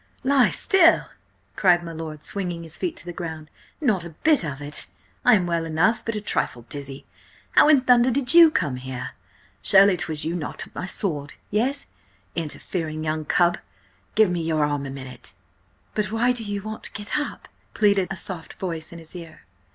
"Lie still?" cried my lord, swinging his feet to the ground. "Not a bit of it! I am well enough, but a trifle dizzy. How in thunder did you come here? Surely 'twas you knocked up my sword? Yes? Interfering young cub! Give me your arm a minute!" "But why do you want to get up?" pleaded a soft voice in his ear.